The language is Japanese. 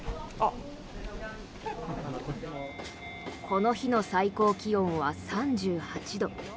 この日の最高気温は３８度。